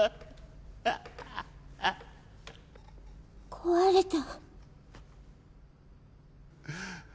壊れた。